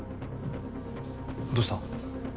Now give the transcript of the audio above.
どうした？